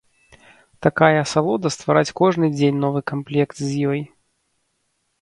Такая асалода ствараць кожны дзень новы камплект з ёй.